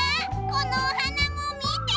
このおはなもみて！